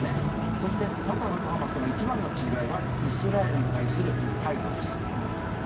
そして、ファタハとハマスの一番の違いはイスラエルに対する態度です。